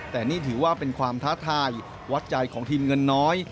แต่นี่ถือว่าเป็นความท้าทายวัดใจของทีมเงินน้อย